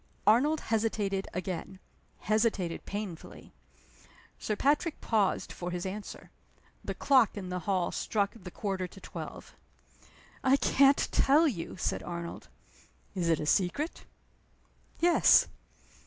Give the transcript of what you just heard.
Arnold hesitated again hesitated painfully. Sir Patrick paused for his answer. The clock in the hall struck the quarter to twelve. "I can't tell you!" said Arnold. "Is it a secret?" "Yes."